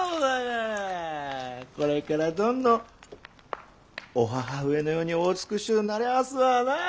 これからどんどんお母上のようにお美しゅうなりゃすわなあ！